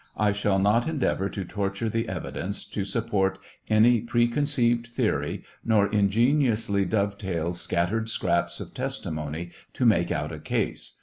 I shall not endeavor to torture the evidence to support any preconceived theory, nor ingeniously dovetail scattered scraps of testimony to_ make out a case.